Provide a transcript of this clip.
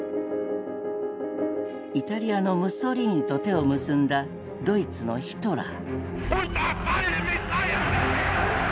イタリアのムッソリーニと手を結んだドイツのヒトラー。